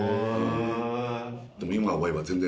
でも今思えば全然。